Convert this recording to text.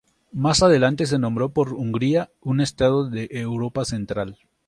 Más adelante se nombró por Hungría, un estado de Europa central.